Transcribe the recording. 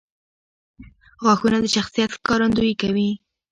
• غاښونه د شخصیت ښکارندویي کوي.